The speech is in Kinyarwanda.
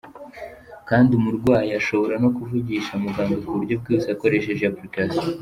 Kandi umurwayi ashobora no kuvugisha muganga mu buryo bwihuse akoresheje iyo application.